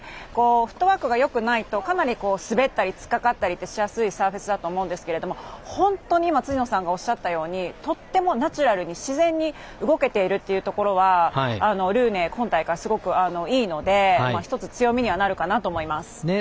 フットワークがよくないとかなり滑ったりつっかかったりってしやすいサーフェスだと思うんですけど本当に今、辻野さんがおっしゃったようにとってもナチュラルに自然に動けているっていうところはルーネ、今大会すごくいいので１つ、強みにはなるかなと思います。